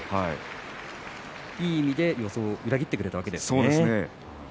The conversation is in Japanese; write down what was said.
いい意味で予想を裏切ってくれたわけですね。